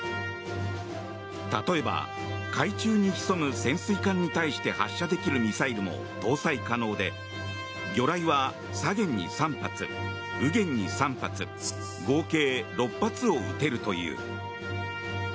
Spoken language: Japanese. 例えば、海中に潜む潜水艦に対して発射できるミサイルも搭載可能で魚雷は左舷に３発、右舷に３発合計６発を撃てるという。